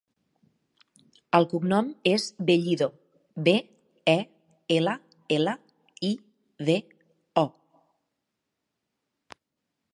El cognom és Bellido: be, e, ela, ela, i, de, o.